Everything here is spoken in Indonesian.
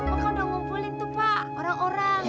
pokoknya udah ngumpulin tuh pak orang orang